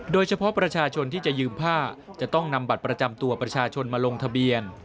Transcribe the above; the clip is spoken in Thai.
โดยเฉพาะประชาชนที่จะยืมผ้าจะต้องนำบัตรประจำตัวประชาชนมาลงทะเบียน